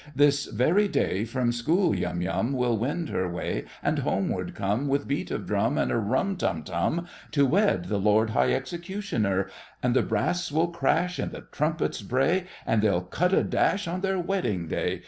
This very day From school Yum Yum Will wend her way, And homeward come, With beat of drum And a rum tum tum, To wed the Lord High executioner! And the brass will crash, And the trumpets bray, And they'll cut a dash On their wedding day.